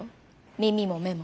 耳も目も。